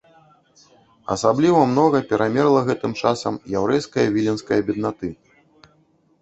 Асабліва многа перамёрла гэтым часам яўрэйскае віленскае беднаты.